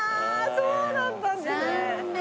そうだったんですね。